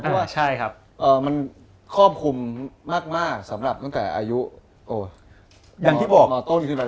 เพราะว่ามันคอบคุมมากสำหรับตั้งแต่อายุมาต้นขึ้นมาก